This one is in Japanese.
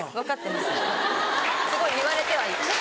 すごい言われてはいる。